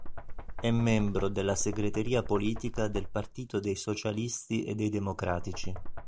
È membro della segreteria politica del Partito dei Socialisti e dei Democratici.